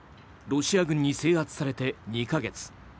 ロシア軍に制圧されて２か月。